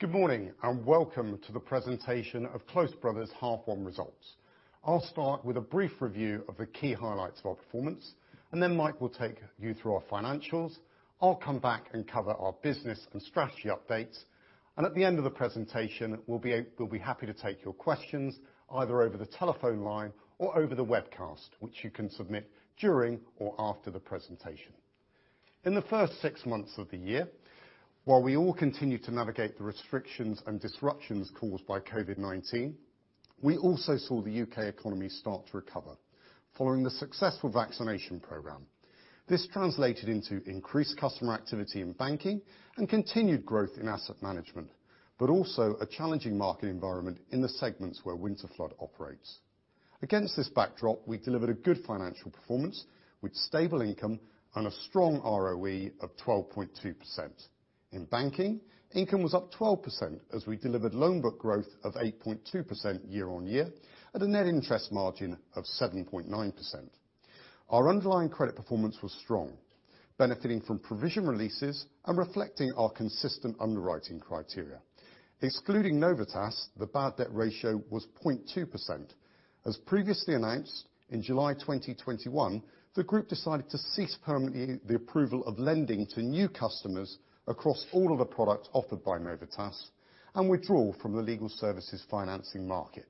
Good morning, and welcome to the presentation of Close Brothers' H1 results. I'll start with a brief review of the key highlights of our performance, and then Mike will take you through our financials. I'll come back and cover our business and strategy updates. At the end of the presentation, we'll be happy to take your questions, either over the telephone line or over the webcast, which you can submit during or after the presentation. In the first six months of the year, while we all continue to navigate the restrictions and disruptions caused by COVID-19, we also saw the U.K. economy start to recover following the successful vaccination program. This translated into increased customer activity in banking and continued growth in asset management, but also a challenging market environment in the segments where Winterflood operates. Against this backdrop, we delivered a good financial performance with stable income and a strong ROE of 12.2%. In banking, income was up 12% as we delivered loan book growth of 8.2% year on year at a net interest margin of 7.9%. Our underlying credit performance was strong, benefiting from provision releases and reflecting our consistent underwriting criteria. Excluding Novitas, the bad debt ratio was 0.2%. As previously announced, in July 2021, the group decided to cease permanently the approval of lending to new customers across all of the products offered by Novitas and withdraw from the legal services financing market.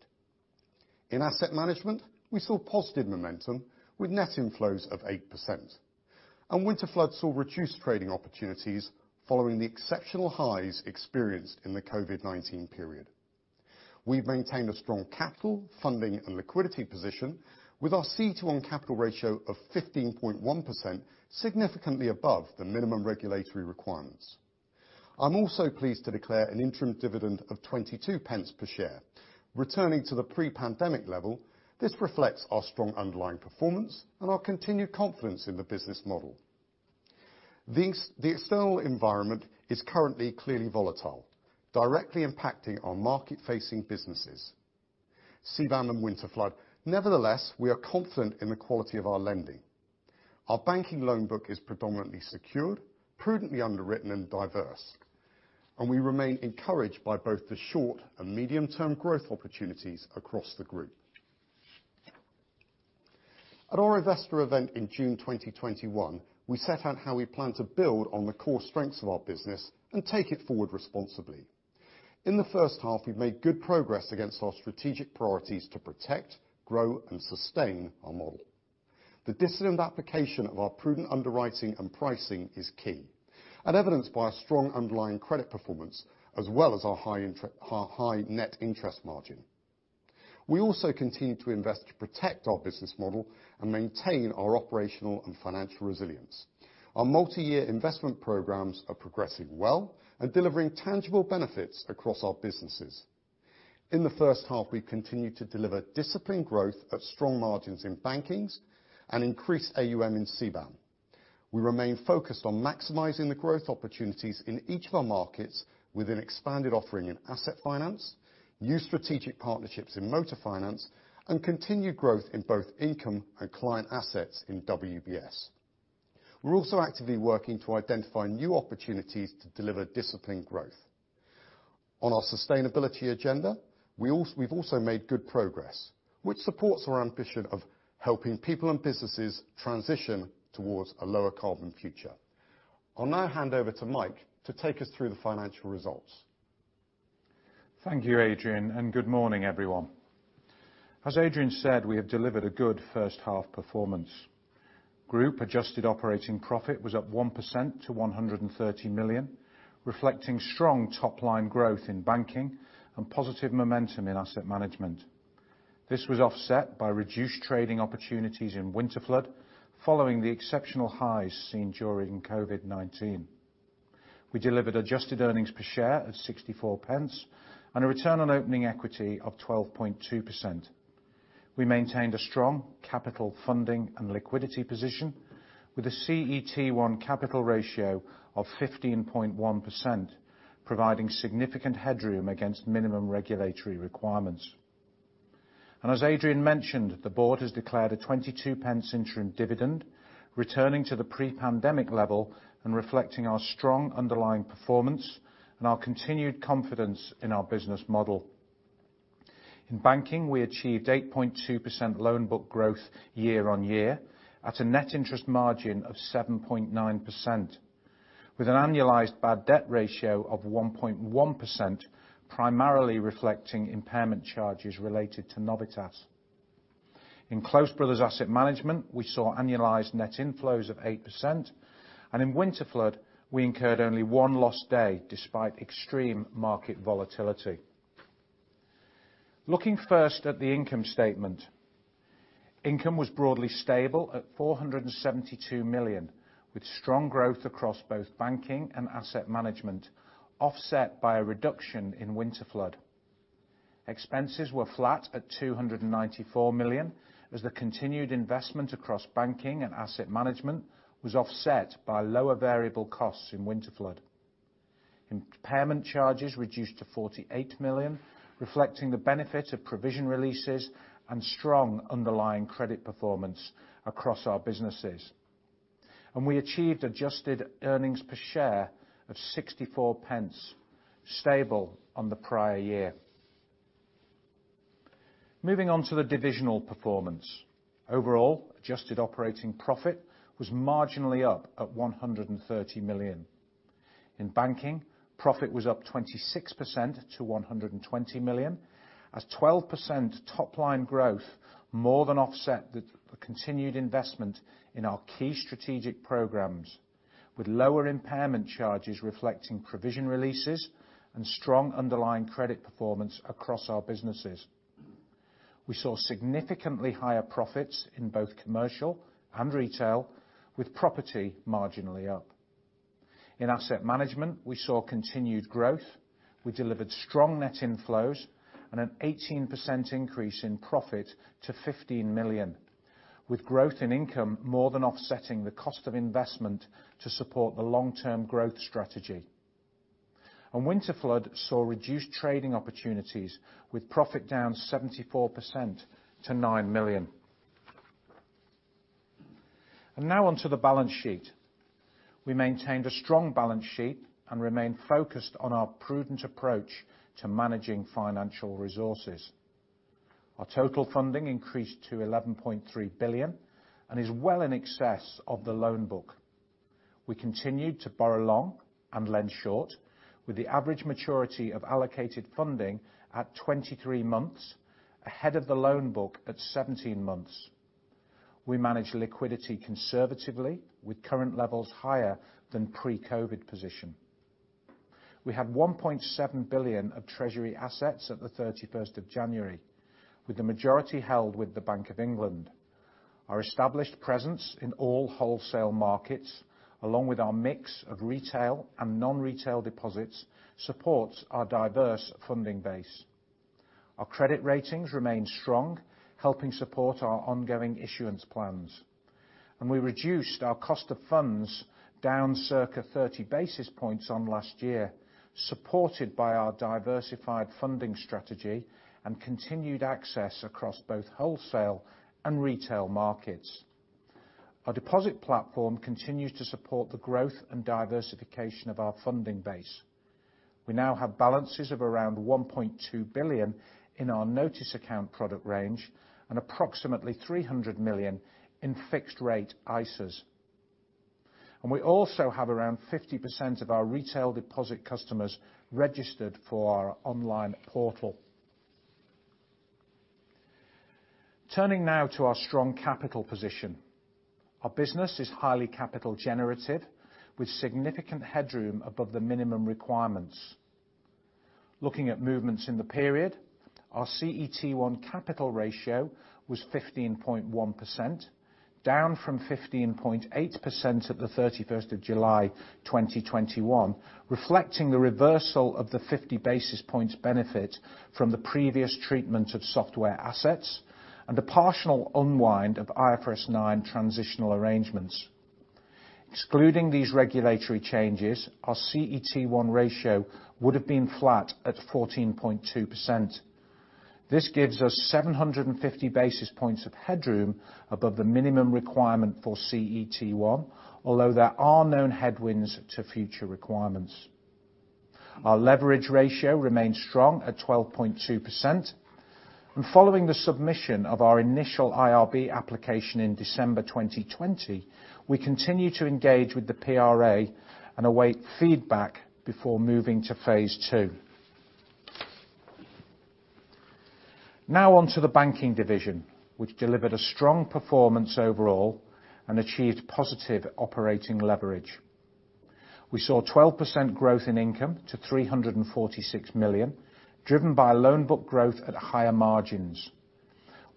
In asset management, we saw positive momentum with net inflows of 8%, and Winterflood saw reduced trading opportunities following the exceptional highs experienced in the COVID-19 period. We've maintained a strong capital funding and liquidity position with our CET1 capital ratio of 15.1%, significantly above the minimum regulatory requirements. I'm also pleased to declare an interim dividend of 22 pence per share. Returning to the pre-pandemic level, this reflects our strong underlying performance and our continued confidence in the business model. The external environment is currently clearly volatile, directly impacting our market-facing businesses, CBAM and Winterflood. Nevertheless, we are confident in the quality of our lending. Our banking loan book is predominantly secured, prudently underwritten and diverse, and we remain encouraged by both the short and medium-term growth opportunities across the group. At our investor event in June 2021, we set out how we plan to build on the core strengths of our business and take it forward responsibly. In the first half, we've made good progress against our strategic priorities to protect, grow, and sustain our model. The disciplined application of our prudent underwriting and pricing is key, and evidenced by a strong underlying credit performance, as well as our high net interest margin. We also continue to invest to protect our business model and maintain our operational and financial resilience. Our multi-year investment programs are progressing well and delivering tangible benefits across our businesses. In the first half, we continued to deliver disciplined growth at strong margins in banking and increased AUM in CBAM. We remain focused on maximizing the growth opportunities in each of our markets with an expanded offering in asset finance, new strategic partnerships in motor finance, and continued growth in both income and client assets in WBS. We're also actively working to identify new opportunities to deliver disciplined growth. On our sustainability agenda, we've also made good progress, which supports our ambition of helping people and businesses transition towards a lower carbon future. I'll now hand over to Mike to take us through the financial results. Thank you, Adrian, and good morning, everyone. As Adrian said, we have delivered a good first half performance. Group adjusted operating profit was up 1% to 130 million, reflecting strong top-line growth in banking and positive momentum in asset management. This was offset by reduced trading opportunities in Winterflood following the exceptional highs seen during COVID-19. We delivered adjusted earnings per share of 64 pence and a return on opening equity of 12.2%. We maintained a strong capital funding and liquidity position with a CET1 capital ratio of 15.1%, providing significant headroom against minimum regulatory requirements. As Adrian mentioned, the board has declared a 22 pence interim dividend, returning to the pre-pandemic level and reflecting our strong underlying performance and our continued confidence in our business model. In Banking, we achieved 8.2% loan book growth year-on-year at a net interest margin of 7.9% with an annualized bad debt ratio of 1.1%, primarily reflecting impairment charges related to Novitas. In Close Brothers Asset Management, we saw annualized net inflows of 8%, and in Winterflood, we incurred only one lost day despite extreme market volatility. Looking first at the income statement. Income was broadly stable at 472 million, with strong growth across both Banking and Asset Management, offset by a reduction in Winterflood. Expenses were flat at 294 million, as the continued investment across Banking and Asset Management was offset by lower variable costs in Winterflood. Impairment charges reduced to 48 million, reflecting the benefit of provision releases and strong underlying credit performance across our businesses. We achieved adjusted earnings per share of 64 pence, stable on the prior year. Moving on to the divisional performance. Overall, adjusted operating profit was marginally up at 130 million. In banking, profit was up 26% to 120 million, as 12% top-line growth more than offset the continued investment in our key strategic programs, with lower impairment charges reflecting provision releases and strong underlying credit performance across our businesses. We saw significantly higher profits in both commercial and retail, with property marginally up. In asset management, we saw continued growth. We delivered strong net inflows and an 18% increase in profit to 15 million, with growth in income more than offsetting the cost of investment to support the long-term growth strategy. Winterflood saw reduced trading opportunities with profit down 74% to 9 million. Now on to the balance sheet. We maintained a strong balance sheet and remain focused on our prudent approach to managing financial resources. Our total funding increased to 11.3 billion and is well in excess of the loan book. We continued to borrow long and lend short with the average maturity of allocated funding at 23 months, ahead of the loan book at 17 months. We manage liquidity conservatively with current levels higher than pre-COVID position. We had 1.7 billion of treasury assets at the January 31, with the majority held with the Bank of England. Our established presence in all wholesale markets, along with our mix of retail and non-retail deposits, supports our diverse funding base. Our credit ratings remain strong, helping support our ongoing issuance plans. We reduced our cost of funds down circa 30 basis points on last year, supported by our diversified funding strategy and continued access across both wholesale and retail markets. Our deposit platform continues to support the growth and diversification of our funding base. We now have balances of around 1.2 billion in our notice account product range and approximately 300 million in fixed rate ISAs. We also have around 50% of our retail deposit customers registered for our online portal. Turning now to our strong capital position. Our business is highly capital generative, with significant headroom above the minimum requirements. Looking at movements in the period, our CET1 capital ratio was 15.1%, down from 15.8% at the 31st of July, 2021, reflecting the reversal of the 50 basis points benefit from the previous treatment of software assets and a partial unwind of IFRS 9 transitional arrangements. Excluding these regulatory changes, our CET1 ratio would have been flat at 14.2%. This gives us 750 basis points of headroom above the minimum requirement for CET1, although there are known headwinds to future requirements. Our leverage ratio remains strong at 12.2%. Following the submission of our initial IRB application in December 2020, we continue to engage with the PRA and await feedback before moving to phase two. Now on to the banking division, which delivered a strong performance overall and achieved positive operating leverage. We saw 12% growth in income to 346 million, driven by loan book growth at higher margins.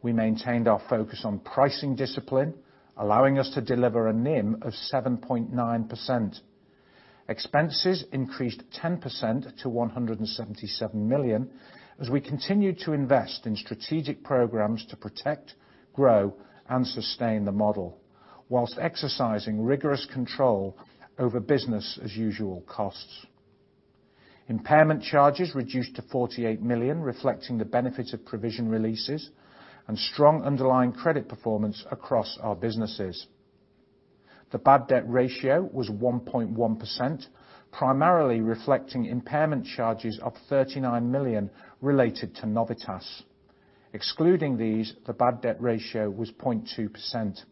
We maintained our focus on pricing discipline, allowing us to deliver a NIM of 7.9%. Expenses increased 10% to 177 million as we continued to invest in strategic programs to protect, grow, and sustain the model while exercising rigorous control over business as usual costs. Impairment charges reduced to 48 million, reflecting the benefits of provision releases and strong underlying credit performance across our businesses. The bad debt ratio was 1.1%, primarily reflecting impairment charges of 39 million related to Novitas. Excluding these, the bad debt ratio was 0.2%.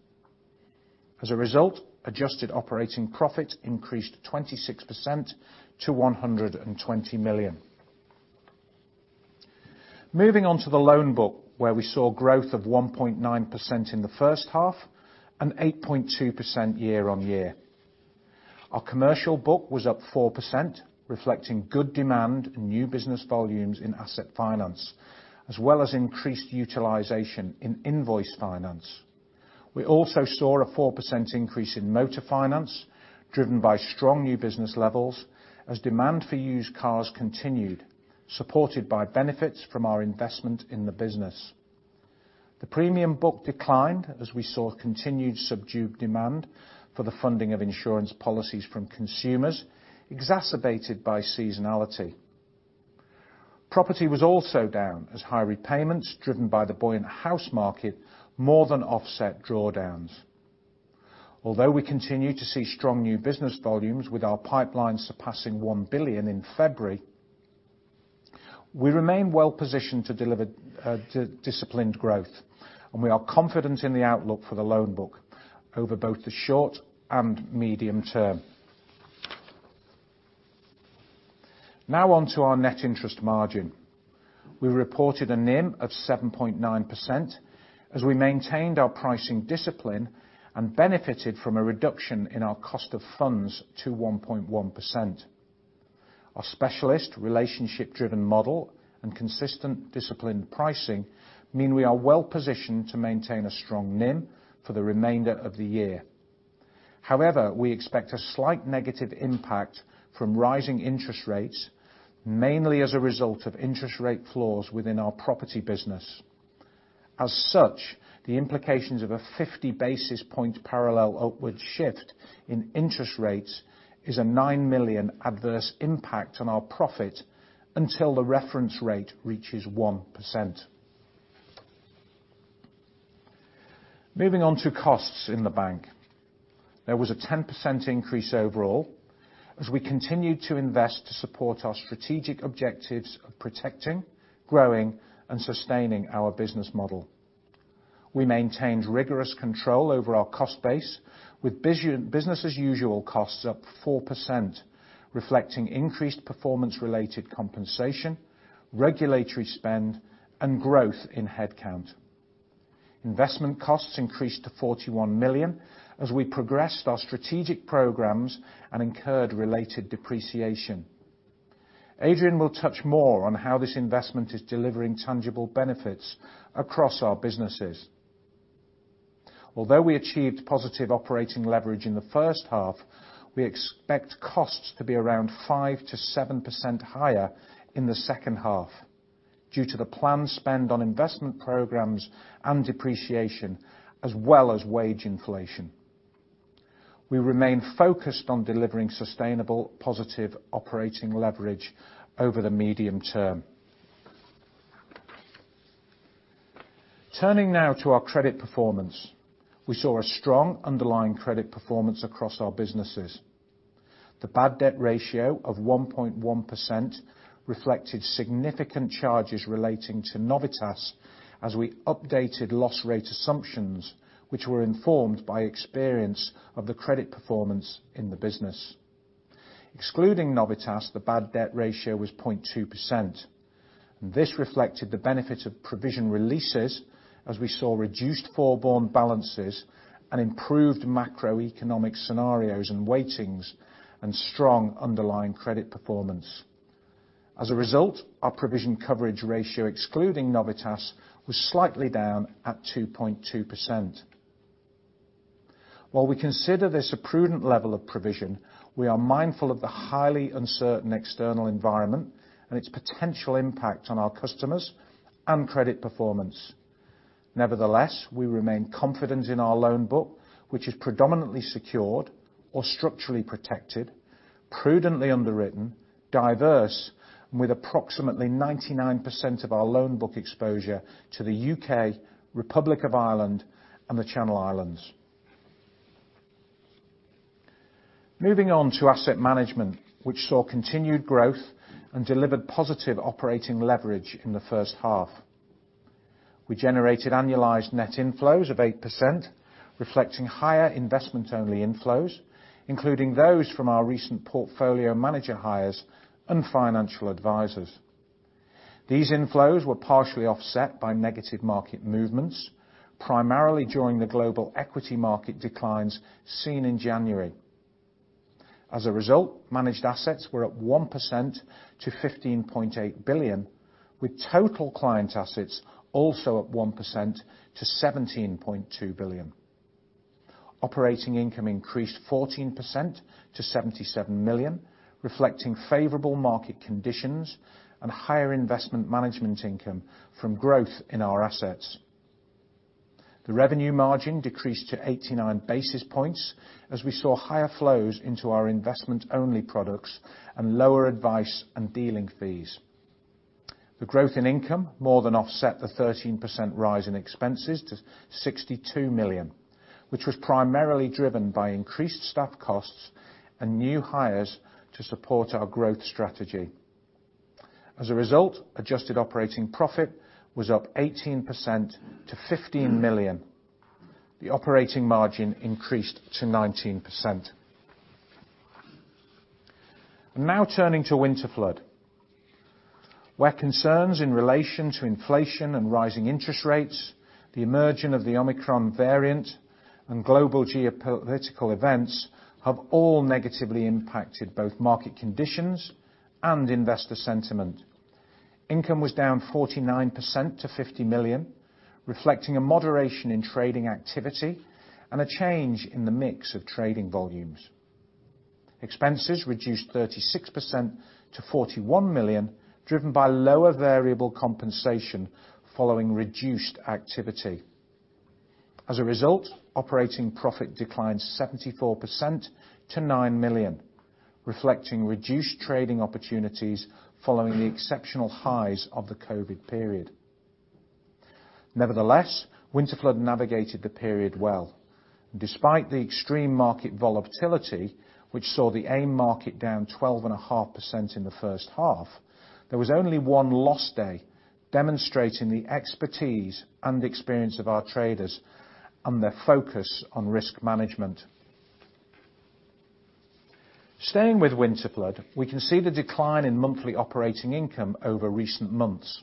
As a result, adjusted operating profit increased 26% to 120 million. Moving on to the loan book, where we saw growth of 1.9% in the H1 and 8.2% year on year. Our commercial book was up 4%, reflecting good demand and new business volumes in asset finance, as well as increased utilization in invoice finance. We also saw a 4% increase in motor finance, driven by strong new business levels as demand for used cars continued, supported by benefits from our investment in the business. The premium book declined as we saw continued subdued demand for the funding of insurance policies from consumers, exacerbated by seasonality. Property was also down, as high repayments driven by the buoyant housing market more than offset drawdowns. Although we continue to see strong new business volumes with our pipeline surpassing 1 billion in February, we remain well-positioned to deliver disciplined growth, and we are confident in the outlook for the loan book over both the short and medium term. Now on to our net interest margin. We reported a NIM of 7.9% as we maintained our pricing discipline and benefited from a reduction in our cost of funds to 1.1%. Our specialist relationship-driven model and consistent disciplined pricing mean we are well positioned to maintain a strong NIM for the remainder of the year. However, we expect a slight negative impact from rising interest rates, mainly as a result of interest rate floors within our property business. As such, the implications of a 50 basis point parallel upward shift in interest rates is a 9 million adverse impact on our profit until the reference rate reaches 1%. Moving on to costs in the bank. There was a 10% increase overall as we continued to invest to support our strategic objectives of protecting, growing, and sustaining our business model. We maintained rigorous control over our cost base with business as usual costs up 4%, reflecting increased performance-related compensation, regulatory spend, and growth in headcount. Investment costs increased to 41 million as we progressed our strategic programs and incurred related depreciation. Adrian will touch more on how this investment is delivering tangible benefits across our businesses. Although we achieved positive operating leverage in the first half, we expect costs to be around 5%-7% higher in the second half due to the planned spend on investment programs and depreciation as well as wage inflation. We remain focused on delivering sustainable, positive operating leverage over the medium term. Turning now to our credit performance. We saw a strong underlying credit performance across our businesses. The bad debt ratio of 1.1% reflected significant charges relating to Novitas as we updated loss rate assumptions, which were informed by experience of the credit performance in the business. Excluding Novitas, the bad debt ratio was 0.2%, and this reflected the benefit of provision releases as we saw reduced forborne balances and improved macroeconomic scenarios and weightings and strong underlying credit performance. As a result, our provision coverage ratio excluding Novitas was slightly down at 2.2%. While we consider this a prudent level of provision, we are mindful of the highly uncertain external environment and its potential impact on our customers and credit performance. Nevertheless, we remain confident in our loan book, which is predominantly secured or structurally protected, prudently underwritten, diverse, and with approximately 99% of our loan book exposure to the U.K., Republic of Ireland, and the Channel Islands. Moving on to Asset Management, which saw continued growth and delivered positive operating leverage in the first half. We generated annualized net inflows of 8%, reflecting higher investment-only inflows, including those from our recent portfolio manager hires and financial advisors. These inflows were partially offset by negative market movements, primarily during the global equity market declines seen in January. As a result, managed assets were up 1% to 15.8 billion, with total client assets also up 1% to 17.2 billion. Operating income increased 14% to 77 million, reflecting favorable market conditions and higher investment management income from growth in our assets. The revenue margin decreased to 89 basis points as we saw higher flows into our investment-only products and lower advice and dealing fees. The growth in income more than offset the 13% rise in expenses to 62 million, which was primarily driven by increased staff costs and new hires to support our growth strategy. As a result, adjusted operating profit was up 18% to 15 million. The operating margin increased to 19%. Now turning to Winterflood, where concerns in relation to inflation and rising interest rates, the emerging of the Omicron variant, and global geopolitical events have all negatively impacted both market conditions and investor sentiment. Income was down 49% to 50 million, reflecting a moderation in trading activity and a change in the mix of trading volumes. Expenses reduced 36% to 41 million, driven by lower variable compensation following reduced activity. As a result, operating profit declined 74% to 9 million, reflecting reduced trading opportunities following the exceptional highs of the COVID-19 period. Nevertheless, Winterflood navigated the period well. Despite the extreme market volatility, which saw the AIM market down 12.5% in the H1, there was only one lost day, demonstrating the expertise and experience of our traders and their focus on risk management. Staying with Winterflood, we can see the decline in monthly operating income over recent months,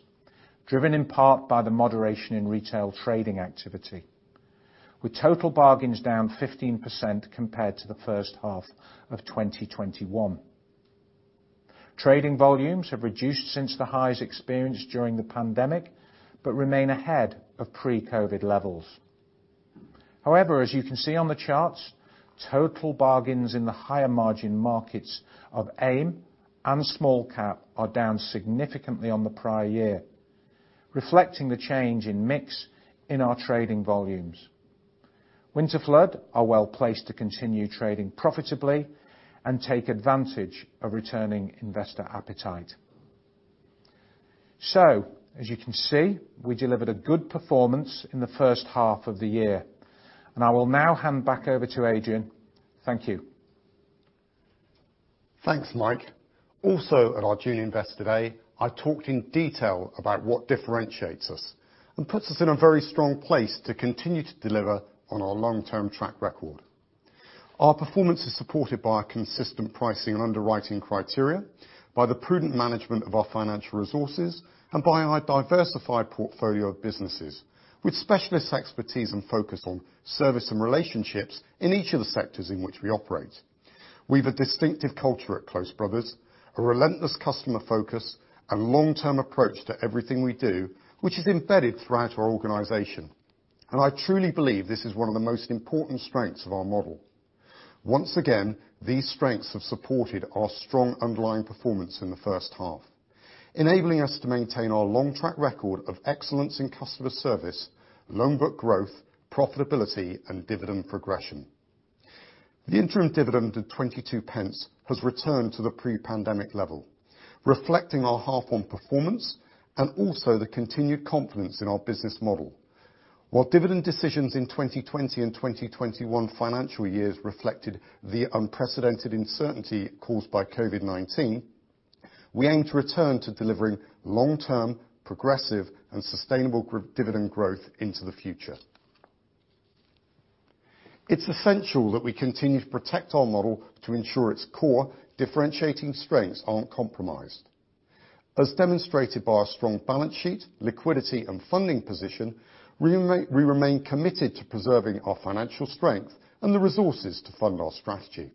driven in part by the moderation in retail trading activity, with total bargains down 15% compared to the first half of 2021. Trading volumes have reduced since the highs experienced during the pandemic, but remain ahead of pre-COVID levels. However, as you can see on the charts, total bargains in the higher margin markets of AIM and small cap are down significantly on the prior year, reflecting the change in mix in our trading volumes. Winterflood are well placed to continue trading profitably and take advantage of returning investor appetite. As you can see, we delivered a good performance in the H1 of the year, and I will now hand back over to Adrian. Thank you. Thanks, Mike. Also at our June Investor Day, I talked in detail about what differentiates us and puts us in a very strong place to continue to deliver on our long-term track record. Our performance is supported by our consistent pricing and underwriting criteria, by the prudent management of our financial resources, and by our diversified portfolio of businesses with specialist expertise and focus on service and relationships in each of the sectors in which we operate. We've a distinctive culture at Close Brothers, a relentless customer focus, a long-term approach to everything we do, which is embedded throughout our organization. I truly believe this is one of the most important strengths of our model. Once again, these strengths have supported our strong underlying performance in the first half, enabling us to maintain our long track record of excellence in customer service, loan book growth, profitability and dividend progression. The interim dividend of 0.22 has returned to the pre-pandemic level, reflecting our half one performance and also the continued confidence in our business model. While dividend decisions in 2020 and 2021 financial years reflected the unprecedented uncertainty caused by COVID-19, we aim to return to delivering long-term, progressive and sustainable growing dividend growth into the future. It's essential that we continue to protect our model to ensure its core differentiating strengths aren't compromised. As demonstrated by our strong balance sheet, liquidity and funding position, we remain committed to preserving our financial strength and the resources to fund our strategy.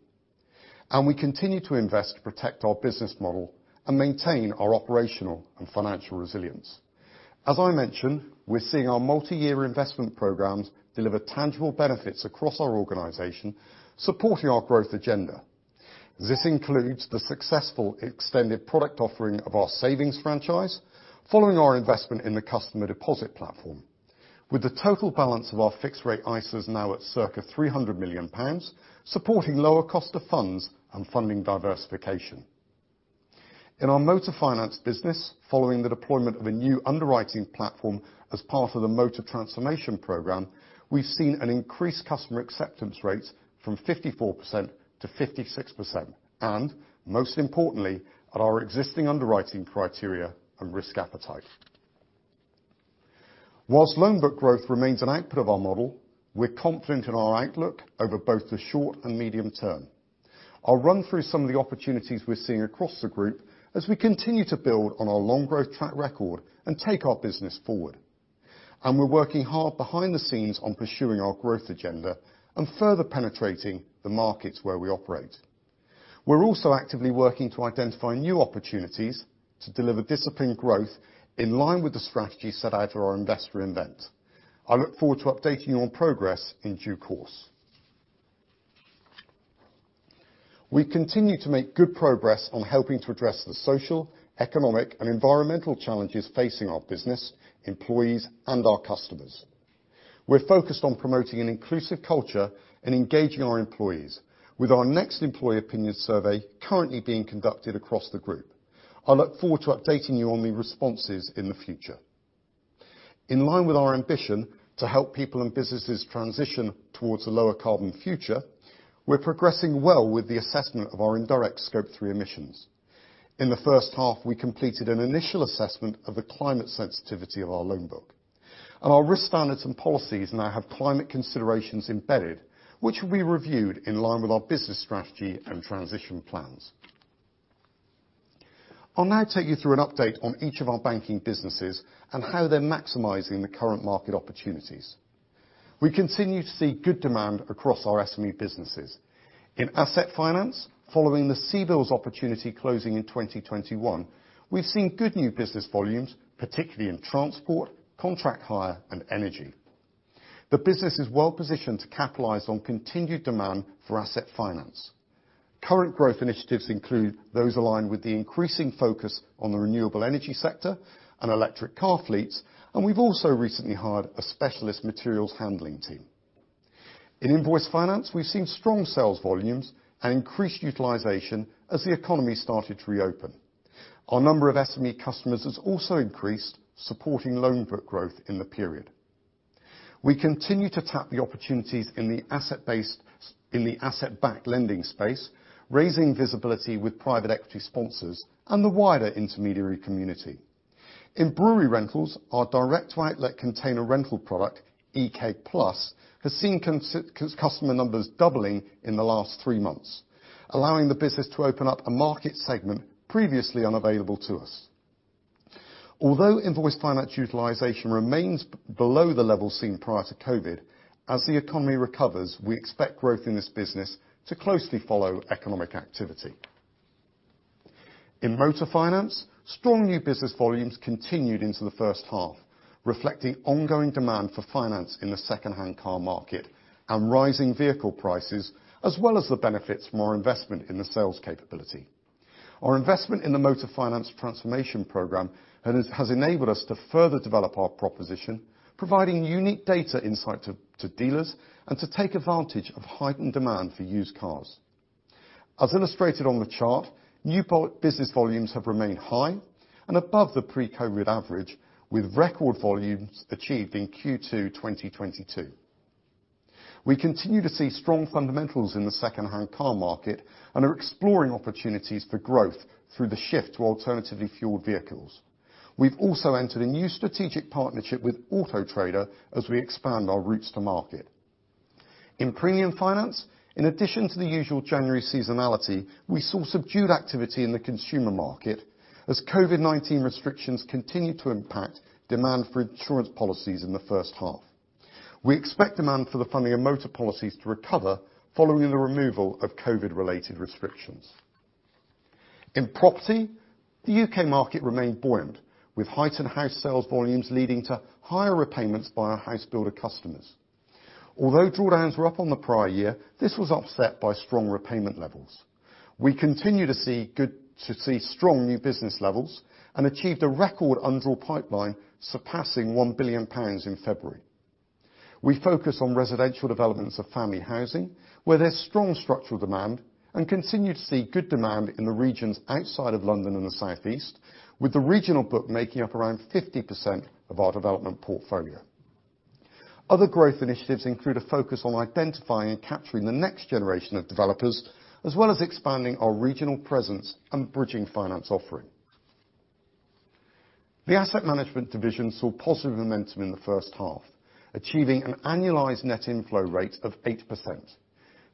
We continue to invest to protect our business model and maintain our operational and financial resilience. As I mentioned, we're seeing our multi-year investment programs deliver tangible benefits across our organization, supporting our growth agenda. This includes the successful extended product offering of our savings franchise following our investment in the customer deposit platform. With the total balance of our fixed rate ISAs now at circa 300 million pounds, supporting lower cost of funds and funding diversification. In our motor finance business, following the deployment of a new underwriting platform as part of the motor transformation program, we've seen an increased customer acceptance rate from 54%-56%, and most importantly, at our existing underwriting criteria and risk appetite. Whilst loan book growth remains an output of our model, we're confident in our outlook over both the short and medium term. I'll run through some of the opportunities we're seeing across the group as we continue to build on our long growth track record and take our business forward. We're working hard behind the scenes on pursuing our growth agenda and further penetrating the markets where we operate. We're also actively working to identify new opportunities to deliver disciplined growth in line with the strategy set out at our Investor Event. I look forward to updating you on progress in due course. We continue to make good progress on helping to address the social, economic and environmental challenges facing our business, employees and our customers. We're focused on promoting an inclusive culture and engaging our employees with our next employee opinion survey currently being conducted across the group. I look forward to updating you on the responses in the future. In line with our ambition to help people and businesses transition towards a lower carbon future, we're progressing well with the assessment of our indirect Scope 3 emissions. In the first half, we completed an initial assessment of the climate sensitivity of our loan book, and our risk standards and policies now have climate considerations embedded, which will be reviewed in line with our business strategy and transition plans. I'll now take you through an update on each of our banking businesses and how they're maximizing the current market opportunities. We continue to see good demand across our SME businesses. In asset finance, following the CBILS opportunity closing in 2021, we've seen good new business volumes, particularly in transport, contract hire and energy. The business is well positioned to capitalize on continued demand for asset finance. Current growth initiatives include those aligned with the increasing focus on the renewable energy sector and electric car fleets. We've also recently hired a specialist materials handling team. In invoice finance, we've seen strong sales volumes and increased utilization as the economy started to reopen. Our number of SME customers has also increased, supporting loan book growth in the period. We continue to tap the opportunities in the asset-backed lending space, raising visibility with private equity sponsors and the wider intermediary community. In brewery rentals, our direct-to-outlet container rental product, Keg-plus, has seen customer numbers doubling in the last three months, allowing the business to open up a market segment previously unavailable to us. Although invoice finance utilization remains below the level seen prior to COVID-19, as the economy recovers, we expect growth in this business to closely follow economic activity. In motor finance, strong new business volumes continued into the H1, reflecting ongoing demand for finance in the secondhand car market and rising vehicle prices, as well as the benefits of more investment in the sales capability. Our investment in the motor finance transformation program has enabled us to further develop our proposition, providing unique data insight to dealers and to take advantage of heightened demand for used cars. As illustrated on the chart, new business volumes have remained high and above the pre-COVID average, with record volumes achieved in Q2 2022. We continue to see strong fundamentals in the secondhand car market and are exploring opportunities for growth through the shift to alternatively fueled vehicles. We've also entered a new strategic partnership with Auto Trader as we expand our routes to market. In premium finance, in addition to the usual January seasonality, we saw subdued activity in the consumer market as COVID-19 restrictions continued to impact demand for insurance policies in the first half. We expect demand for the funding of motor policies to recover following the removal of COVID-related restrictions. In property, the U.K. market remained buoyant, with heightened house sales volumes leading to higher repayments by our house builder customers. Although drawdowns were up on the prior year, this was offset by strong repayment levels. We continue to see strong new business levels and achieved a record undrawn pipeline surpassing 1 billion pounds in February. We focus on residential developments of family housing, where there's strong structural demand, and continue to see good demand in the regions outside of London and the Southeast, with the regional book making up around 50% of our development portfolio. Other growth initiatives include a focus on identifying and capturing the next generation of developers, as well as expanding our regional presence and bridging finance offering. The asset management division saw positive momentum in the first half, achieving an annualized net inflow rate of 8%.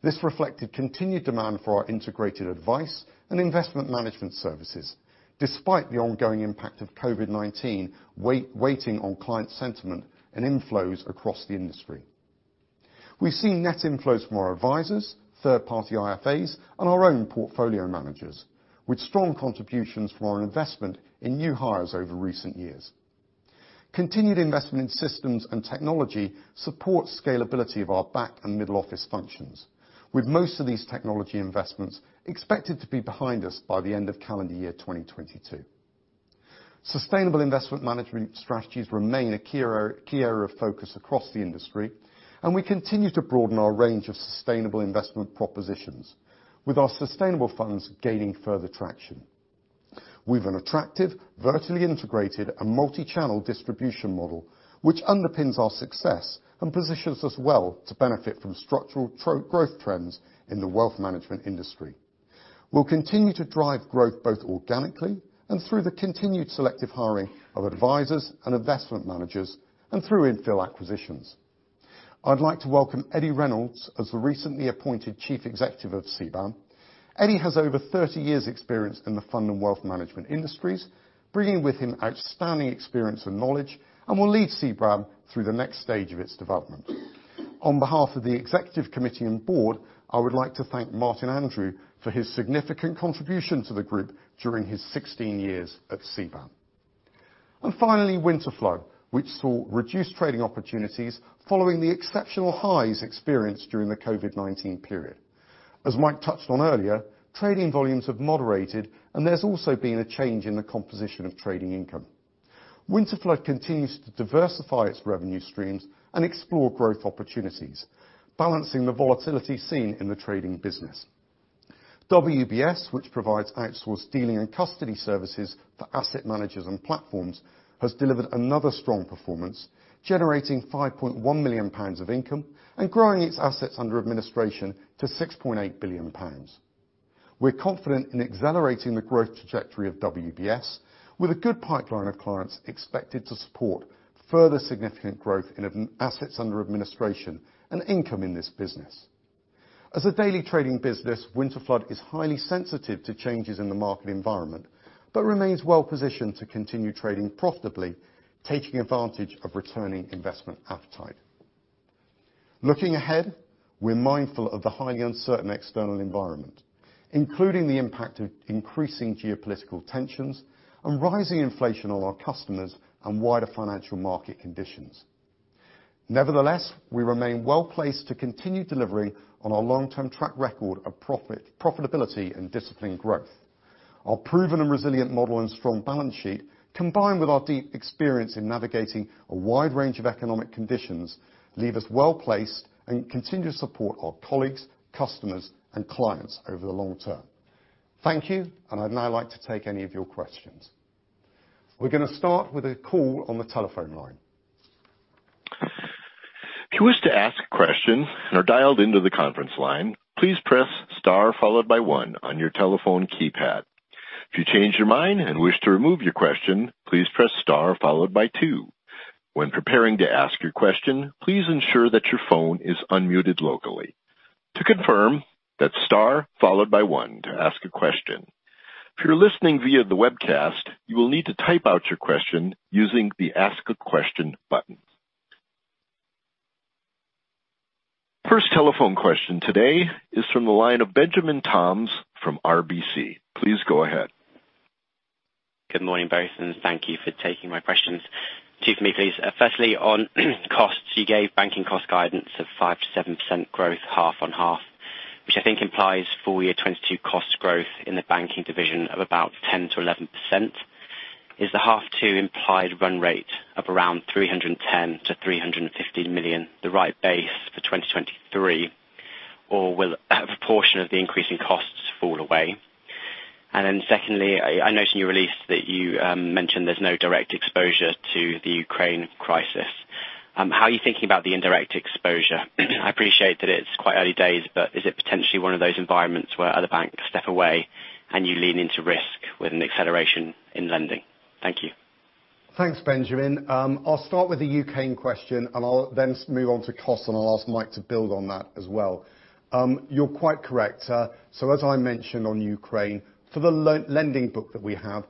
This reflected continued demand for our integrated advice and investment management services, despite the ongoing impact of COVID-19 weighing on client sentiment and inflows across the industry. We've seen net inflows from our advisors, third-party IFAs, and our own portfolio managers, with strong contributions from our investment in new hires over recent years. Continued investment in systems and technology support scalability of our back and middle office functions, with most of these technology investments expected to be behind us by the end of calendar year 2022. Sustainable investment management strategies remain a key area of focus across the industry, and we continue to broaden our range of sustainable investment propositions with our sustainable funds gaining further traction. We've an attractive, vertically integrated and multi-channel distribution model, which underpins our success and positions us well to benefit from structural growth trends in the wealth management industry. We'll continue to drive growth both organically and through the continued selective hiring of advisors and investment managers and through infill acquisitions. I'd like to welcome Eddie Reynolds as the recently appointed Chief Executive of CBAM. Eddie has over 30 years' experience in the fund and wealth management industries, bringing with him outstanding experience and knowledge, and will lead CBAM through the next stage of its development. On behalf of the executive committee and board, I would like to thank Martin Andrew for his significant contribution to the group during his 16 years at CBAM. Finally, Winterflood, which saw reduced trading opportunities following the exceptional highs experienced during the COVID-19 period. As Mike touched on earlier, trading volumes have moderated, and there's also been a change in the composition of trading income. Winterflood continues to diversify its revenue streams and explore growth opportunities, balancing the volatility seen in the trading business. WBS, which provides outsourced dealing and custody services for asset managers and platforms, has delivered another strong performance, generating 5.1 million pounds of income and growing its assets under administration to 6.8 billion pounds. We're confident in accelerating the growth trajectory of WBS with a good pipeline of clients expected to support further significant growth in assets under administration and income in this business. As a daily trading business, Winterflood is highly sensitive to changes in the market environment, but remains well-positioned to continue trading profitably, taking advantage of returning investment appetite. Looking ahead, we're mindful of the highly uncertain external environment, including the impact of increasing geopolitical tensions and rising inflation on our customers and wider financial market conditions. Nevertheless, we remain well-placed to continue delivering on our long-term track record of profitability and disciplined growth. Our proven and resilient model and strong balance sheet, combined with our deep experience in navigating a wide range of economic conditions, leave us well placed and continue to support our colleagues, customers, and clients over the long term. Thank you. I'd now like to take any of your questions. We're gonna start with a call on the telephone line. First telephone question today is from the line of Benjamin Toms from RBC. Please go ahead. Good morning, both, and thank you for taking my questions. Two for me, please. Firstly, on costs. You gave banking cost guidance of 5%-7% growth half on half, which I think implies full-year 2022 cost growth in the banking division of about 10%-11%. Is the half two implied run rate of around 310 million to 350 million the right base for 2023? Or will a proportion of the increase in costs fall away? Secondly, I noticed in your release that you mentioned there's no direct exposure to the Ukraine crisis. How are you thinking about the indirect exposure? I appreciate that it's quite early days, but is it potentially one of those environments where other banks step away and you lean into risk with an acceleration in lending? Thank you. Thanks, Benjamin. I'll start with the Ukraine question, and I'll then move on to costs, and I'll ask Mike to build on that as well. You're quite correct. As I mentioned on Ukraine, for the lending book that we have,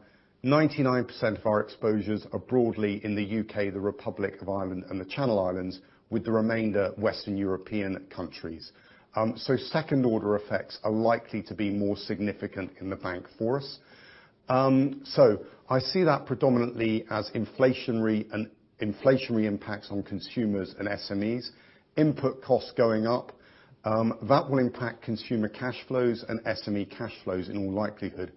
99% of our exposures are broadly in the U.K., the Republic of Ireland and the Channel Islands, with the remainder Western European countries. Second order effects are likely to be more significant in the bank for us. I see that predominantly as inflationary impacts on consumers and SMEs, input costs going up. That will impact consumer cash flows and SME cash flows in all likelihood.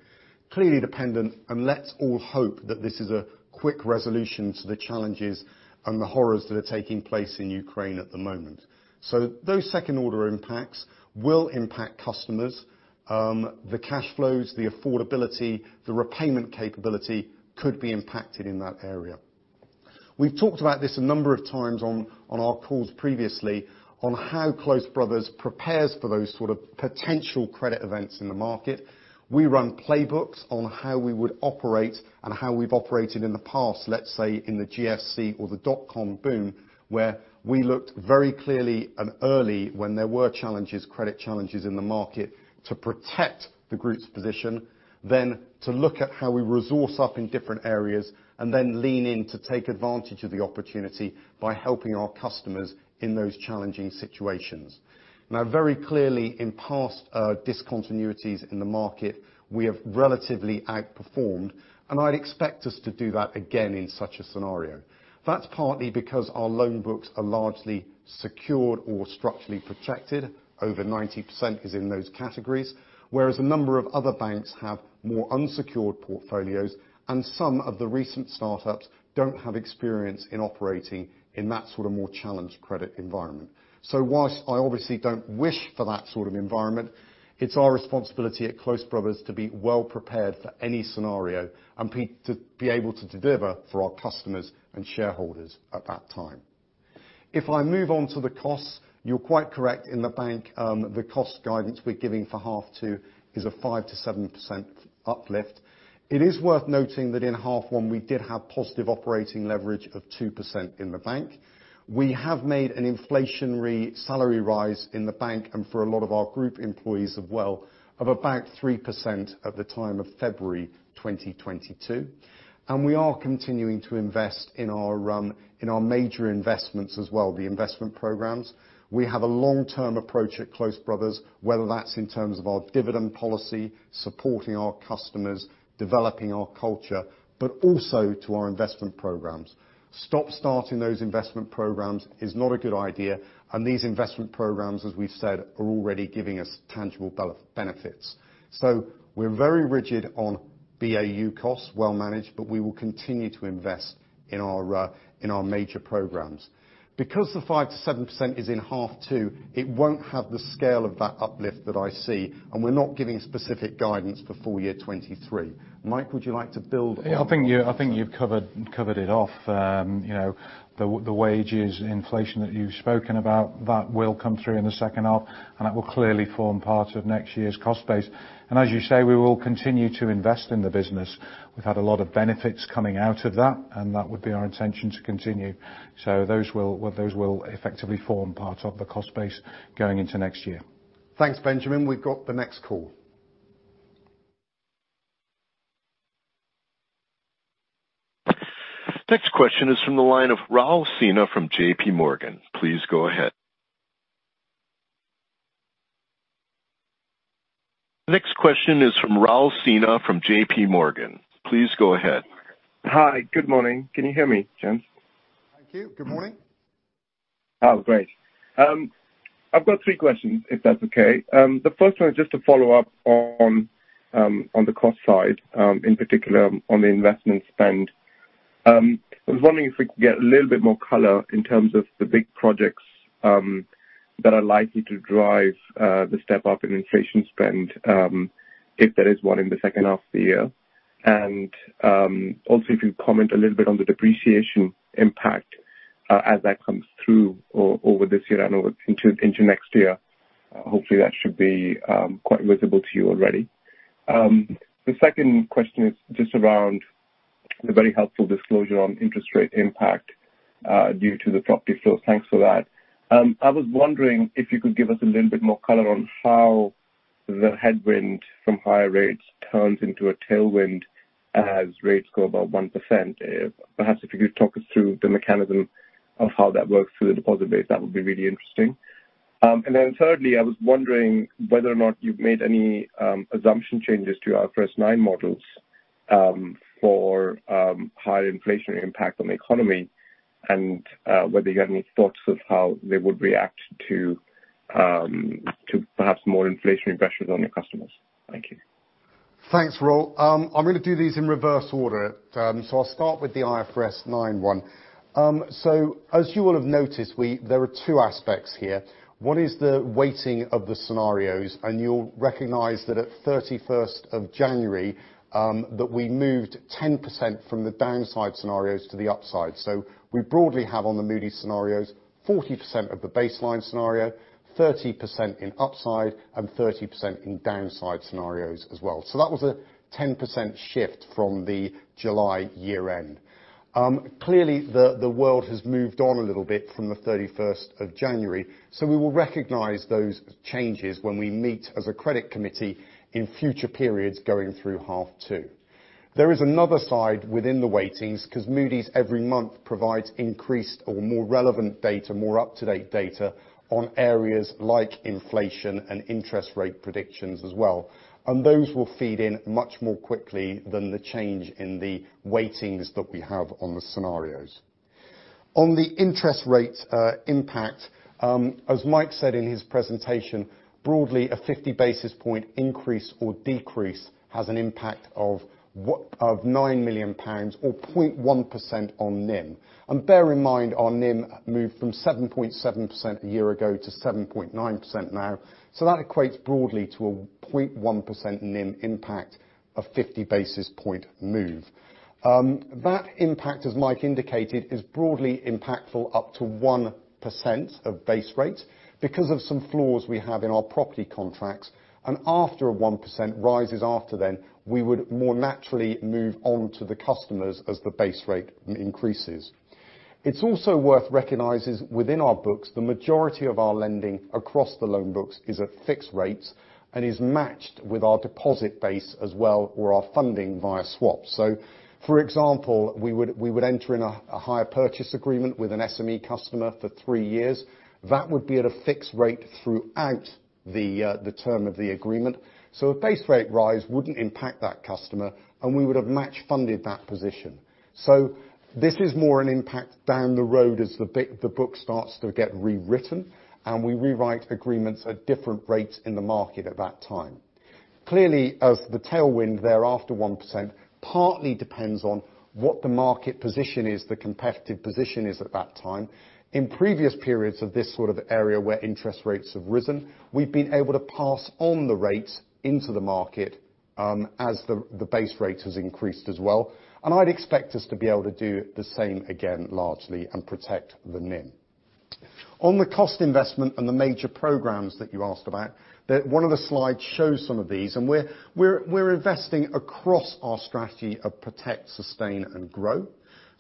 Clearly dependent, and let's all hope that this is a quick resolution to the challenges and the horrors that are taking place in Ukraine at the moment. Those second order impacts will impact customers. The cash flows, the affordability, the repayment capability could be impacted in that area. We've talked about this a number of times on our calls previously on how Close Brothers prepares for those sort of potential credit events in the market. We run playbooks on how we would operate and how we've operated in the past, let's say in the GFC or the dot-com boom, where we looked very clearly and early when there were challenges, credit challenges in the market to protect the group's position, then to look at how we resource up in different areas, and then lean in to take advantage of the opportunity by helping our customers in those challenging situations. Now, very clearly in past discontinuities in the market, we have relatively outperformed, and I'd expect us to do that again in such a scenario. That's partly because our loan books are largely secured or structurally protected. Over 90% is in those categories, whereas a number of other banks have more unsecured portfolios, and some of the recent startups don't have experience in operating in that sort of more challenged credit environment. Whilst I obviously don't wish for that sort of environment, it's our responsibility at Close Brothers to be well prepared for any scenario and to be able to deliver for our customers and shareholders at that time. If I move on to the costs, you're quite correct. In the bank, the cost guidance we're giving for half two is a 5%-7% uplift. It is worth noting that in half one we did have positive operating leverage of 2% in the bank. We have made an inflationary salary rise in the bank and for a lot of our group employees of well, of about 3% at the time of February 2022. We are continuing to invest in our in our major investments as well, the investment programs. We have a long-term approach at Close Brothers, whether that's in terms of our dividend policy, supporting our customers, developing our culture, but also to our investment programs. Stop-starting those investment programs is not a good idea, and these investment programs, as we've said, are already giving us tangible benefits. We're very rigid on BAU costs, well managed, but we will continue to invest in our in our major programs. Because the 5%-7% is in H2, it won't have the scale of that uplift that I see, and we're not giving specific guidance for full-year 2023. Mike, would you like to build on that? Yeah, I think you've covered it off. You know, the wages inflation that you've spoken about, that will come through in the second half, and that will clearly form part of next year's cost base. As you say, we will continue to invest in the business. We've had a lot of benefits coming out of that, and that would be our intention to continue. Those will effectively form part of the cost base going into next year. Thanks, Benjamin. We've got the next call. The next question is from Rahul Sinha from JPMorgan. Please go ahead. Hi. Good morning. Can you hear me, gents? Thank you. Good morning. Oh, great. I've got three questions, if that's okay. The first one is just a follow-up on the cost side, in particular on the investment spend. I was wondering if we could get a little bit more color in terms of the big projects that are likely to drive the step up in inflation spend, if there is one in the second half of the year. Also, if you could comment a little bit on the depreciation impact as that comes through over this year and over into next year. Hopefully, that should be quite visible to you already. The second question is just around the very helpful disclosure on interest rate impact due to the property flow. Thanks for that. I was wondering if you could give us a little bit more color on how the headwind from higher rates turns into a tailwind as rates go above 1%. Perhaps if you could talk us through the mechanism of how that works through the deposit base, that would be really interesting. And then thirdly, I was wondering whether or not you've made any assumption changes to our FY 19 models for high inflation impact on the economy and whether you had any thoughts of how they would react to to perhaps more inflationary pressures on your customers. Thank you. Thanks, Raul. I'm gonna do these in reverse order. I'll start with the IFRS 9 one. As you will have noticed, there are two aspects here. One is the weighting of the scenarios, and you'll recognize that at of January 31, that we moved 10% from the downside scenarios to the upside. We broadly have on the Moody's scenarios, 40% of the baseline scenario, 30% in upside and 30% in downside scenarios as well. That was a 10% shift from the July year-end. Clearly, the world has moved on a little bit from the January 31, so we will recognize those changes when we meet as a credit committee in future periods going through half two. There is another side within the weightings because Moody's every month provides increased or more relevant data, more up-to-date data on areas like inflation and interest rate predictions as well. Those will feed in much more quickly than the change in the weightings that we have on the scenarios. On the interest rate impact, as Mike said in his presentation, broadly, a 50 basis point increase or decrease has an impact of 9 million pounds or 0.1% on NIM. Bear in mind, our NIM moved from 7.7% a year ago to 7.9% now. That equates broadly to a 0.1% NIM impact, a 50 basis point move. That impact, as Mike indicated, is broadly impactful up to 1% of base rate because of some floors we have in our property contracts. After a 1% rise, after that, then we would more naturally move on to the customers as the base rate increases. It's also worth recognizing within our books, the majority of our lending across the loan books is at fixed rates and is matched with our deposit base as well or our funding via swaps. For example, we would enter into a hire purchase agreement with an SME customer for three years. That would be at a fixed rate throughout the term of the agreement. A base rate rise wouldn't impact that customer, and we would have match funded that position. This is more an impact down the road as the book starts to get rewritten, and we rewrite agreements at different rates in the market at that time. Clearly, as the tailwind thereafter 1% partly depends on what the market position is, the competitive position is at that time. In previous periods of this sort of area where interest rates have risen, we've been able to pass on the rate into the market, as the base rate has increased as well. I'd expect us to be able to do the same again largely and protect the NIM. On the cost investment and the major programs that you asked about, one of the slides shows some of these, and we're investing across our strategy of protect, sustain, and grow.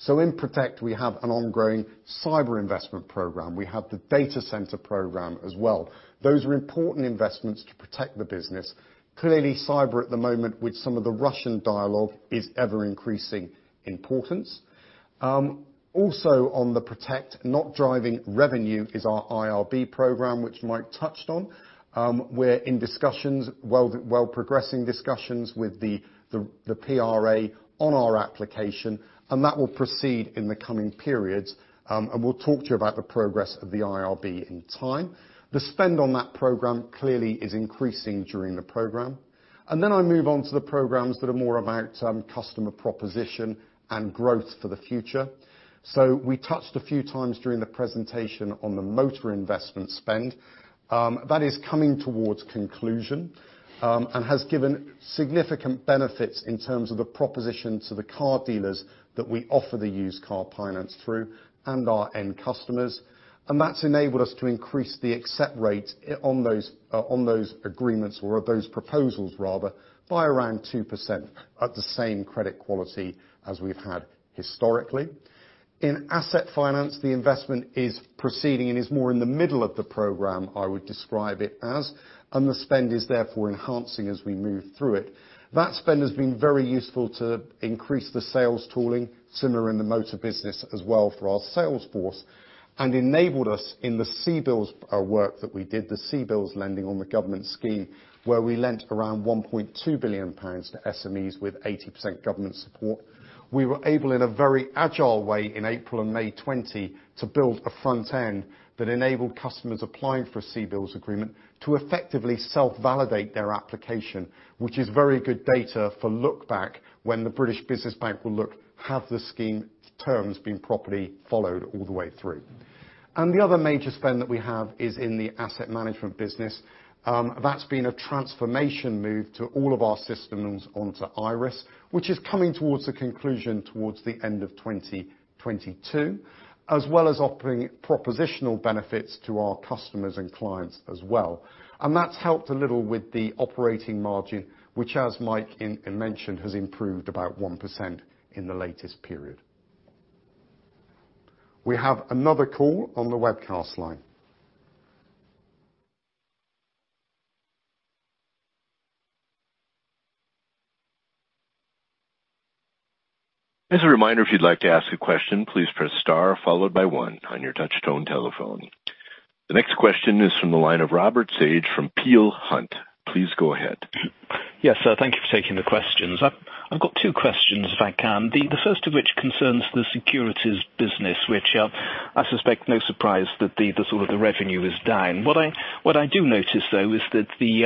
In protect, we have an ongoing cyber investment program. We have the data center program as well. Those are important investments to protect the business. Clearly, cyber at the moment with some of the Russian dialogue is ever increasing importance. Also on the protect, not driving revenue is our IRB program, which Mike touched on. We're progressing discussions with the PRA on our application, and that will proceed in the coming periods. We'll talk to you about the progress of the IRB in time. The spend on that program clearly is increasing during the program. I move on to the programs that are more about customer proposition and growth for the future. We touched a few times during the presentation on the motor investment spend. That is coming towards conclusion and has given significant benefits in terms of the proposition to the car dealers that we offer the used car finance through and our end customers. That's enabled us to increase the accept rate on those agreements or those proposals rather, by around 2% at the same credit quality as we've had historically. In asset finance, the investment is proceeding and is more in the middle of the program, I would describe it as, and the spend is therefore enhancing as we move through it. That spend has been very useful to increase the sales tooling, similar in the motor business as well for our sales force, and enabled us in the CBILS work that we did, the CBILS lending on the government scheme, where we lent around 1.2 billion pounds to SMEs with 80% government support. We were able, in a very agile way in April and May 2020, to build a front end that enabled customers applying for a CBILS agreement to effectively self validate their application, which is very good data for look back when the British Business Bank will look, have the scheme terms been properly followed all the way through. The other major spend that we have is in the asset management business. That's been a transformation move to all of our systems onto Iress, which is coming towards a conclusion towards the end of 2022, as well as offering proposition benefits to our customers and clients as well. That's helped a little with the operating margin, which, as Mike mentioned, has improved about 1% in the latest period. We have another call on the webcast line. As a reminder, if you'd like to ask a question, please press star followed by one on your touchtone telephone. The next question is from the line of Robert Sage from Peel Hunt. Please go ahead. Yes, sir. Thank you for taking the questions. I've got two questions, if I can. The first of which concerns the securities business, which I suspect no surprise that the revenue is down. What I do notice though, is that the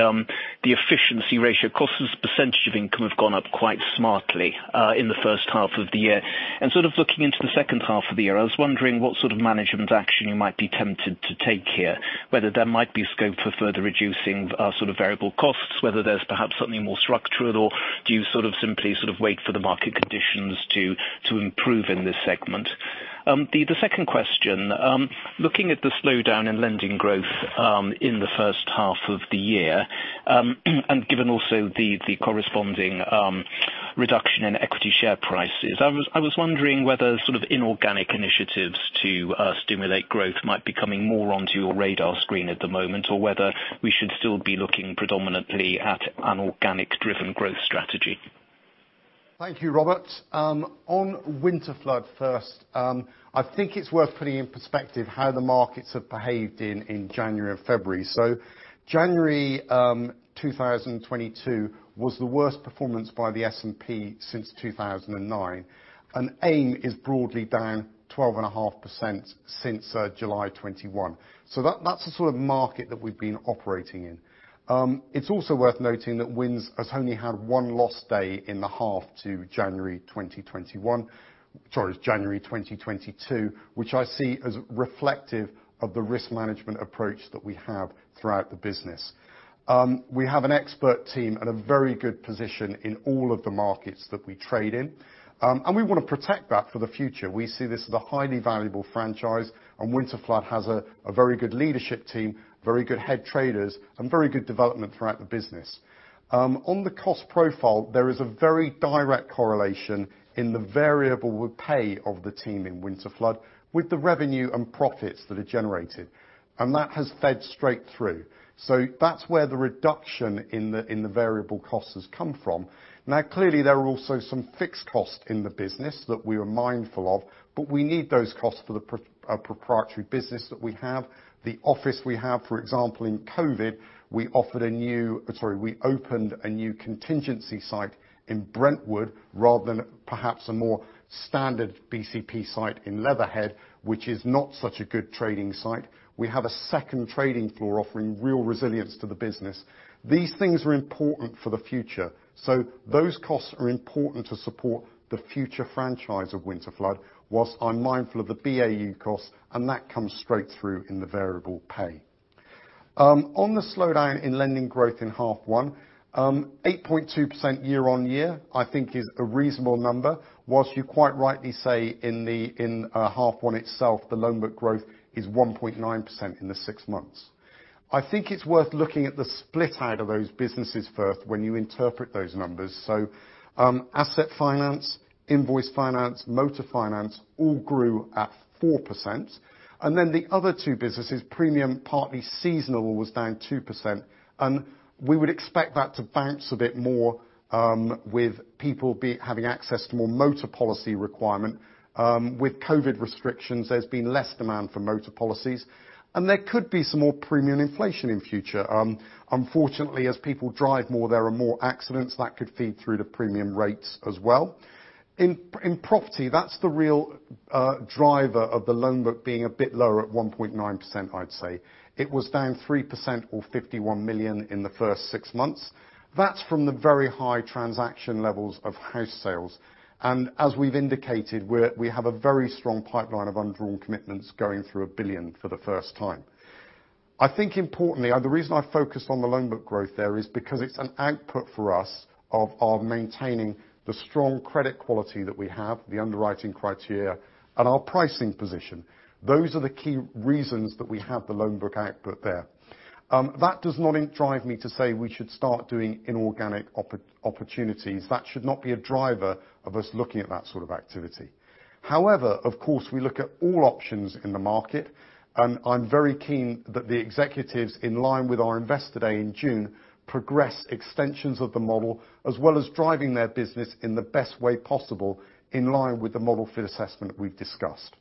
efficiency ratio costs as a percentage of income have gone up quite smartly in the first half of the year. Sort of looking into the second half of the year, I was wondering what sort of management action you might be tempted to take here, whether there might be scope for further reducing sort of variable costs, whether there's perhaps something more structural, or do you sort of simply sort of wait for the market conditions to improve in this segment? The second question. Looking at the slowdown in lending growth in the first half of the year and given also the corresponding reduction in equity share prices, I was wondering whether sort of inorganic initiatives to stimulate growth might be coming more onto your radar screen at the moment, or whether we should still be looking predominantly at an organic driven growth strategy? Thank you, Robert. On Winterflood first, I think it's worth putting in perspective how the markets have behaved in January and February. January 2022 was the worst performance by the S&P since 2009. AIM is broadly down 12.5% since July 2021. That's the sort of market that we've been operating in. It's also worth noting that Winterflood has only had one lost day in the half to January 2022, which I see as reflective of the risk management approach that we have throughout the business. We have an expert team and a very good position in all of the markets that we trade in. We wanna protect that for the future. We see this as a highly valuable franchise, and Winterflood has a very good leadership team, very good head traders, and very good development throughout the business. On the cost profile, there is a very direct correlation in the variable pay of the team in Winterflood with the revenue and profits that are generated, and that has fed straight through. That's where the reduction in the variable costs has come from. Clearly, there are also some fixed costs in the business that we are mindful of, but we need those costs for the proprietary business that we have. The office we have, for example, in COVID-19, we opened a new contingency site in Brentwood rather than perhaps a more standard BCP site in Leatherhead, which is not such a good trading site. We have a second trading floor offering real resilience to the business. These things are important for the future, so those costs are important to support the future franchise of Winterflood, while I'm mindful of the BAU costs, and that comes straight through in the variable pay. On the slowdown in lending growth in half one, 8.2% year-on-year, I think is a reasonable number. While you quite rightly say in half one itself, the loan book growth is 1.9% in the six months. I think it's worth looking at the split out of those businesses first when you interpret those numbers. Asset finance, invoice finance, motor finance, all grew at 4%. Then the other two businesses, premium, partly seasonal, was down 2%, and we would expect that to bounce a bit more, with people having access to more motor policy requirement. With COVID-19 restrictions, there's been less demand for motor policies, and there could be some more premium inflation in future. Unfortunately, as people drive more, there are more accidents that could feed through to premium rates as well. In property, that's the real driver of the loan book being a bit lower at 1.9%, I'd say. It was down 3% or 51 million in the first six months. That's from the very high transaction levels of house sales. As we've indicated, we have a very strong pipeline of undrawn commitments going through 1 billion for the first time. I think importantly, and the reason I focused on the loan book growth there is because it's an output for us of our maintaining the strong credit quality that we have, the underwriting criteria, and our pricing position. Those are the key reasons that we have the loan book output there. That does not drive me to say we should start doing inorganic opportunities. That should not be a driver of us looking at that sort of activity. However, of course, we look at all options in the market, and I'm very keen that the executives, in line with our Investor Day in June, progress extensions of the model, as well as driving their business in the best way possible, in line with the model fit assessment we've discussed.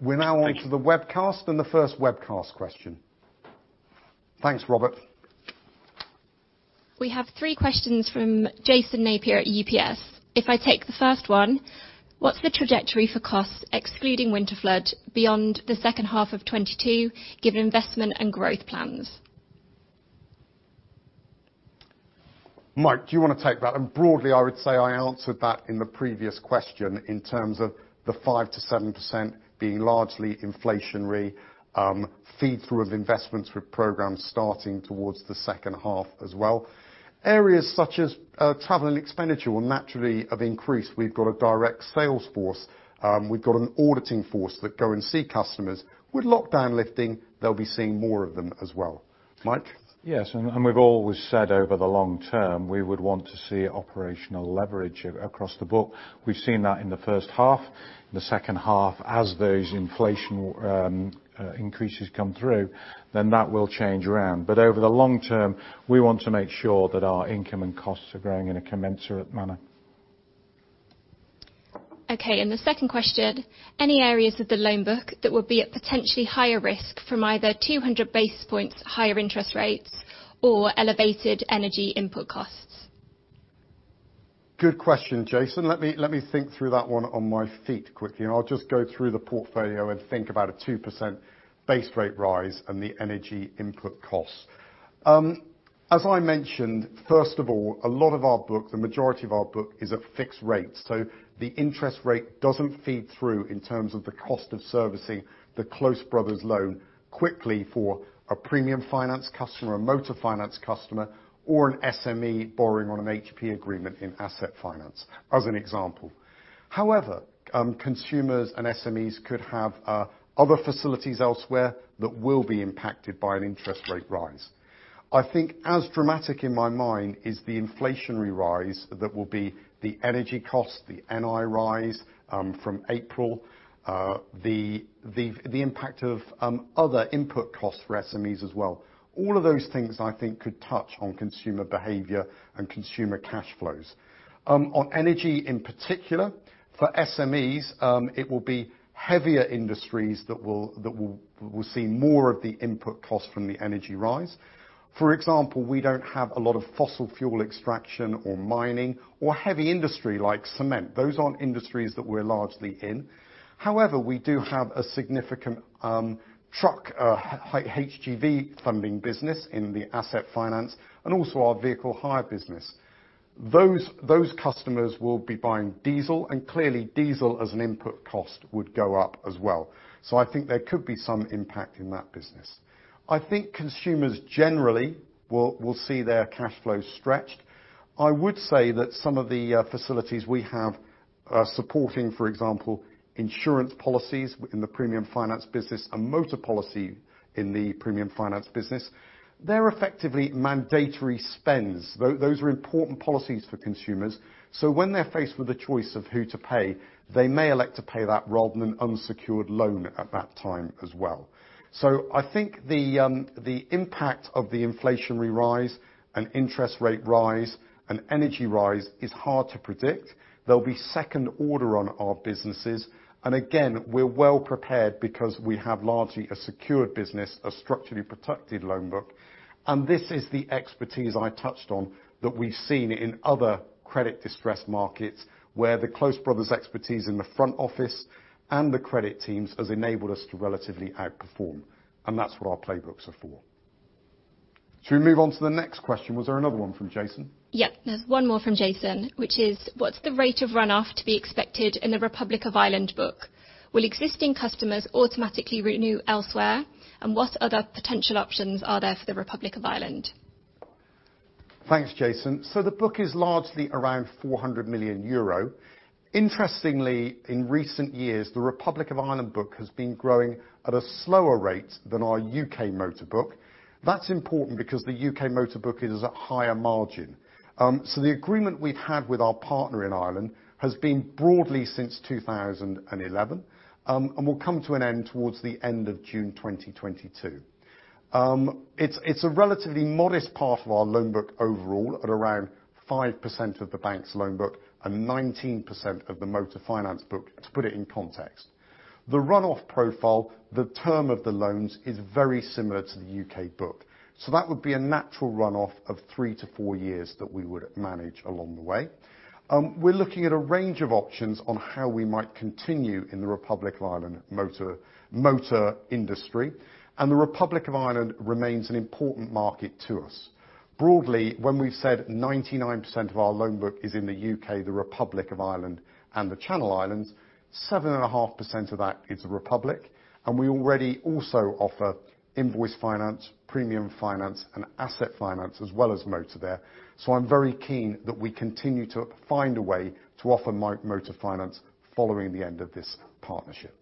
We're now onto the webcast and the first webcast question. Thanks, Robert. We have three questions from Jason Napier at UBS. If I take the first one, what's the trajectory for costs, excluding Winterflood, beyond the H2 of 2022, given investment and growth plans? Mike, do you wanna take that? Broadly, I would say I answered that in the previous question in terms of the 5%-7% being largely inflationary, feed through of investments with programs starting towards the second half as well. Areas such as travel and expenditure will naturally have increased. We've got a direct sales force. We've got an auditing force that go and see customers. With lockdown lifting, they'll be seeing more of them as well. Mike? Yes, we've always said over the long term, we would want to see operational leverage across the book. We've seen that in the first half. The second half, as those inflation increases come through, then that will change around. Over the long term, we want to make sure that our income and costs are growing in a commensurate manner. Okay, the second question. Any areas of the loan book that would be at potentially higher risk from either 200 basis points higher interest rates or elevated energy input costs? Good question, Jason. Let me think through that one on my feet quickly, and I'll just go through the portfolio and think about a 2% base rate rise and the energy input costs. As I mentioned, first of all, a lot of our book, the majority of our book is at fixed rate, so the interest rate doesn't feed through in terms of the cost of servicing the Close Brothers loan quickly for a premium finance customer, a motor finance customer, or an SME borrowing on an HP agreement in asset finance, as an example. However, consumers and SMEs could have other facilities elsewhere that will be impacted by an interest rate rise. I think as dramatic in my mind is the inflationary rise that will be the energy cost, the NI rise from April. The impact of other input costs for SMEs as well. All of those things, I think, could touch on consumer behavior and consumer cash flows. On energy in particular, for SMEs, it will be heavier industries that will see more of the input costs from the energy rise. For example, we don't have a lot of fossil fuel extraction or mining or heavy industry like cement. Those aren't industries that we're largely in. However, we do have a significant truck HGV funding business in the asset finance and also our vehicle hire business. Those customers will be buying diesel, and clearly diesel as an input cost would go up as well. I think there could be some impact in that business. I think consumers generally will see their cash flows stretched. I would say that some of the facilities we have are supporting, for example, insurance policies within the premium finance business and motor policy in the premium finance business. They're effectively mandatory spends. Those are important policies for consumers. When they're faced with the choice of who to pay, they may elect to pay that rather than an unsecured loan at that time as well. I think the impact of the inflationary rise and interest rate rise and energy rise is hard to predict. There'll be second order on our businesses, and again, we're well prepared because we have largely a secured business, a structurally protected loan book. This is the expertise I touched on that we've seen in other credit distressed markets, where the Close Brothers expertise in the front office and the credit teams has enabled us to relatively outperform, and that's what our playbooks are for. Should we move on to the next question? Was there another one from Jason? Yeah. There's one more from Jason, which is: What's the rate of runoff to be expected in the Republic of Ireland book? Will existing customers automatically renew elsewhere, and what other potential options are there for the Republic of Ireland? Thanks, Jason. The book is largely around 400 million euro. Interestingly, in recent years, the Republic of Ireland book has been growing at a slower rate than our U.K. motor book. That's important because the U.K. motor book is at higher margin. The agreement we've had with our partner in Ireland has been broadly since 2011, and will come to an end towards the end of June 2022. It's a relatively modest part of our loan book overall, at around 5% of the bank's loan book and 19% of the motor finance book, to put it in context. The runoff profile, the term of the loans, is very similar to the U.K. book. That would be a natural runoff of three to four years that we would manage along the way. We're looking at a range of options on how we might continue in the Republic of Ireland motor industry, and the Republic of Ireland remains an important market to us. Broadly, when we said 99% of our loan book is in the U.K., the Republic of Ireland and the Channel Islands, 7.5% of that is the Republic, and we already also offer invoice finance, premium finance, and asset finance, as well as motor there. I'm very keen that we continue to find a way to offer motor finance following the end of this partnership.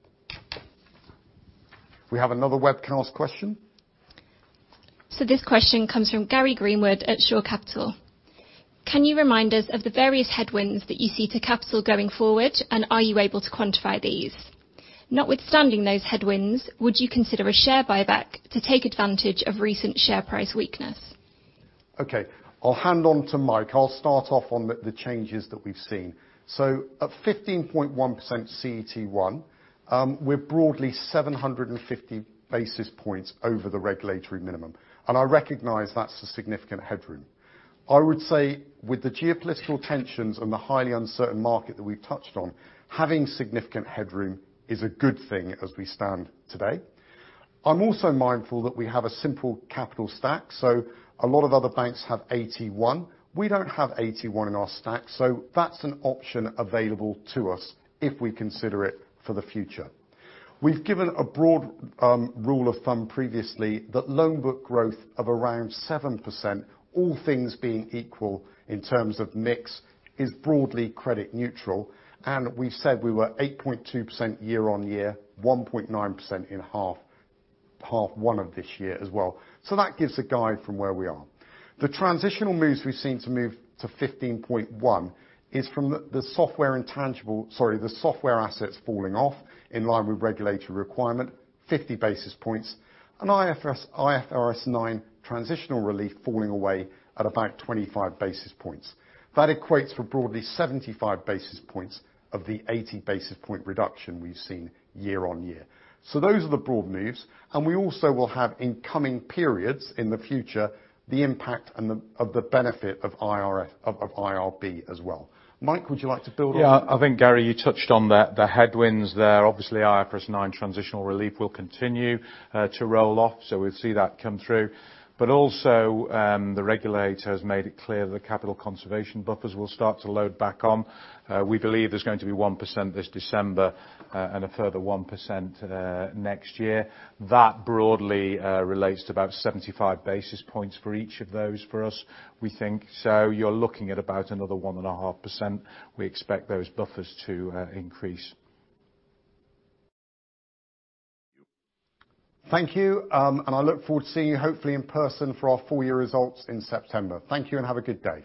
We have another webcast question. This question comes from Gary Greenwood at Shore Capital. Can you remind us of the various headwinds that you see to capital going forward, and are you able to quantify these? Notwithstanding those headwinds, would you consider a share buyback to take advantage of recent share price weakness? Okay. I'll hand over to Mike. I'll start off on the changes that we've seen. At 15.1% CET1, we're broadly 750 basis points over the regulatory minimum, and I recognize that's a significant headroom. I would say with the geopolitical tensions and the highly uncertain market that we've touched on, having significant headroom is a good thing as we stand today. I'm also mindful that we have a simple capital stack, so a lot of other banks have AT1. We don't have AT1 in our stack, so that's an option available to us if we consider it for the future. We've given a broad rule of thumb previously that loan book growth of around 7%, all things being equal in terms of mix, is broadly credit neutral, and we've said we were 8.2% year-on-year, 1.9% in H1 of this year as well. That gives a guide from where we are. The transitional moves we've seen to move to 15.1% is from the software assets falling off in line with regulatory requirement, 50 basis points, and IFRS 9 transitional relief falling away at about 25 basis points. That equates for broadly 75 basis points of the 80 basis point reduction we've seen year-on-year. Those are the broad moves, and we also will have in coming periods in the future, the impact of the benefit of IRB as well. Mike, would you like to build on that? Yeah. I think, Gary, you touched on the headwinds there. Obviously, IFRS 9 transitional relief will continue to roll off, so we'll see that come through. The regulator has made it clear the capital conservation buffer will start to load back on. We believe there's going to be 1% this December, and a further 1% next year. That broadly relates to about 75 basis points for each of those for us. We think, so you're looking at about another 1.5% we expect those buffers to increase. Thank you, and I look forward to seeing you hopefully in person for our full year results in September. Thank you, and have a good day.